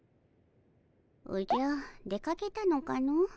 おじゃ出かけたのかの？